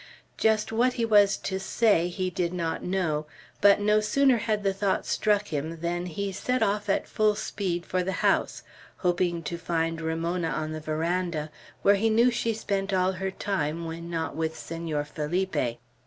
Just what he was to say he did not know; but no sooner had the thought struck him, than he set off at full speed for the house, hoping to find Ramona on the veranda, where he knew she spent all her time when not with Senor Felipe.